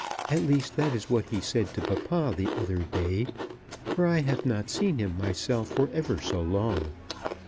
At least that is what he said to papa the other day; for I have not seen him myself for ever so long.